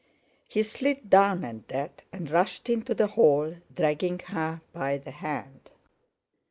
He slid down at that, and rushed into the hall, dragging her by the hand.